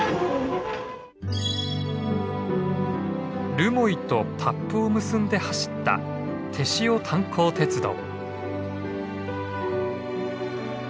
留萌と達布を結んで走った天塩炭礦鉄道。